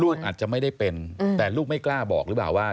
อาจจะไม่ได้เป็นแต่ลูกไม่กล้าบอกหรือเปล่าว่า